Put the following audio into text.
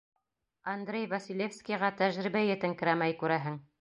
Андрей Василевскийға тәжрибә етеңкерәмәй, күрәһең.